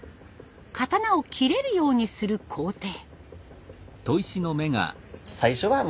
刀を切れるようにする工程。